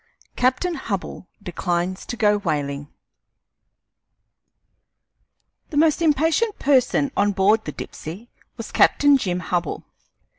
CAPTAIN HUBBELL DECLINES TO GO WHALING The most impatient person on board the Dipsey was Captain Jim Hubbell.